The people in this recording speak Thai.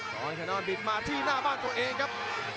ตอนชะนอนบินมาที่หน้าบ้านตัวเองครับ